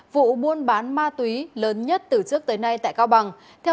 vụ buôn bán ma túy lớn nhất từ trước tới nay tại cao bằng